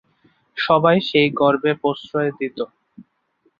সবাই সেই গর্বে প্রশ্রয় দিত।